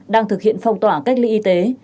đang thực hiện phong tỏa cách ly y tế